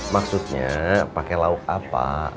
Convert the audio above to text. maksudnya pakai lauk apa